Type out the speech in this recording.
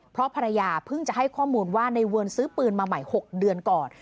เพราะภรรยาเพิ่งจะให้ข้อมูลว่าในเวิร์นซื้อปืนมาใหม่๖เดือนก่อน